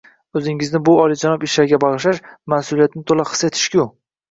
O‘zingni bu olijanob ishlarga bag‘ishlash — mas’uliyatni to‘la his etish-ku!